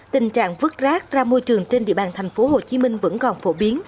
tình trạng vứt rác ra môi trường trên địa bàn tp hcm vẫn còn phổ biến